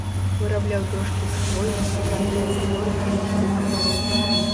Вырабляў дошкі з хвойных і паркет з цвёрдых лісцевых парод.